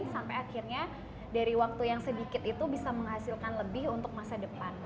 sampai akhirnya dari waktu yang sedikit itu bisa menghasilkan lebih untuk masa depan